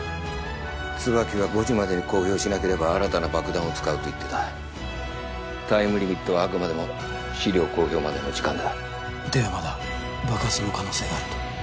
椿は５時までに公表しなければ新たな爆弾を使うと言ってたタイムリミットはあくまでも資料公表までの時間だではまだ爆発の可能性があると？